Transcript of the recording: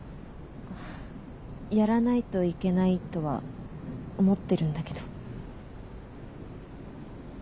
やらないといけないとは思ってるんだけど。